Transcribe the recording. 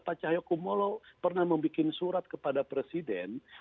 pak cahyokumolo pernah membuat surat kepada presiden